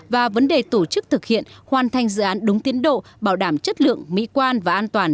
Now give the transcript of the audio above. và vấn đề tổ chức thực hiện hoàn thành dự án đúng tiến độ bảo đảm chất lượng mỹ quan và an toàn